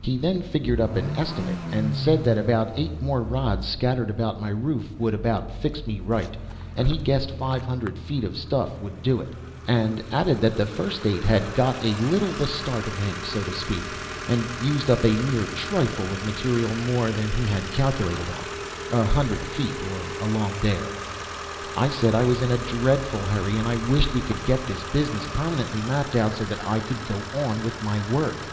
He then figured up an estimate, and said that about eight more rods scattered about my roof would about fix me right, and he guessed five hundred feet of stuff would do it; and added that the first eight had got a little the start of him, so to speak, and used up a mere trifle of material more than he had calculated on a hundred feet or along there. I said I was in a dreadful hurry, and I wished we could get this business permanently mapped out, so that I could go on with my work.